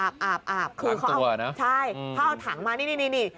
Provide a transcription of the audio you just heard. ถังตัวนะใช่ถ้าเอาถังมานี่